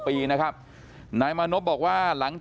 พี่บูรำนี้ลงมาแล้ว